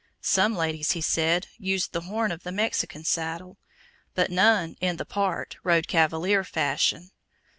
Some ladies, he said, used the horn of the Mexican saddle, but none "in the part" rode cavalier fashion.